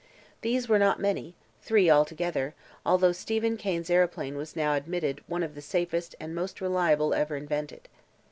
These were not many three altogether although Stephen Kane's aeroplane was now admitted to be one of the safest and most reliable ever invented.